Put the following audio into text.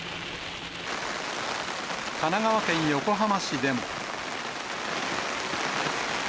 神奈川県横浜市でも。